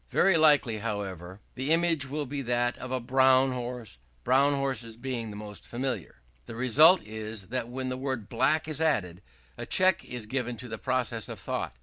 Very likely, however, the image will be that of a brown horse, brown horses being the most familiar. The result is that when the word "black" is added, a check is given to the process of thought.